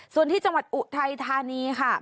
ส่วนที่จังหวัดอุทัยธานีค่ะ